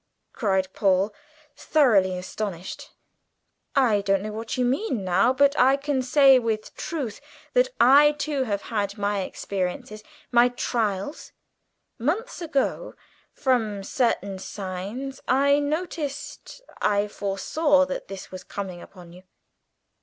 cried Paul, thoroughly astonished. "I don't know what you mean now, but I can say with truth that I too have had my experiences my trials. Months ago, from certain signs, I noticed, I foresaw that this was coming upon you."